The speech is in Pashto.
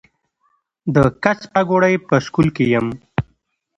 د کڅ پاګوړۍ پۀ سکول کښې يم